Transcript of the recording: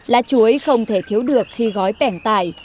lá chuối không thể thiếu được khi gói bẻng tải